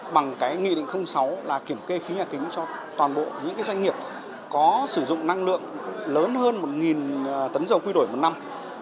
bằng cái nghị định sáu là kiểm kê khí nhà kính cho toàn bộ những doanh nghiệp có sử dụng năng lượng lớn hơn một tấn dầu quy đổi một năm